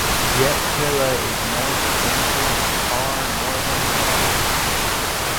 "Japetella" is known to venture into far northern waters.